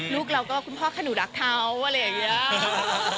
ลูกเราก็คุณพ่อขนุรักเขาอะไรอย่างนี้